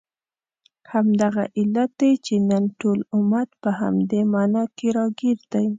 همدغه علت دی چې نن ټول امت په همدې معما کې راګیر دی.